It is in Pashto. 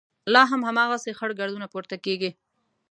لا هم هماغسې خړ ګردونه پورته کېږي.